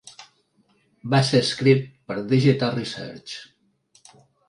Va ser escrit per Digital Research.